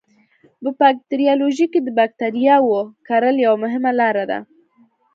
په باکتریالوژي کې د بکټریاوو کرل یوه مهمه لاره ده.